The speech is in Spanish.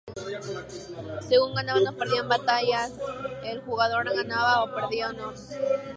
Según ganaban o perdían batallas, el jugador ganaba o perdía honor.